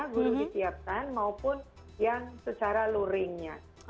guru disiapkan maupun yang secara luringnya